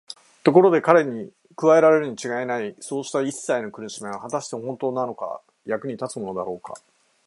ところで彼に加えられるにちがいないそうしたいっさいの苦しみは、はたしてほんとうになんかの役に立つものだろうか。